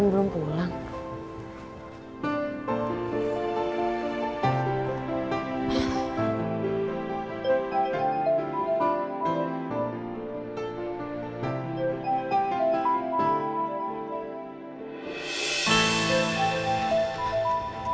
soalnya pas waktu tadi